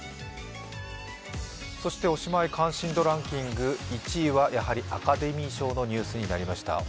そしておしまい関心度ランキング１位はやはりアカデミー賞のニュースになりました。